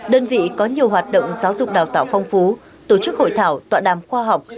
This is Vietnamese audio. đơn vị có nhiều hoạt động giáo dục đào tạo phong phú tổ chức hội thảo tọa đàm khoa học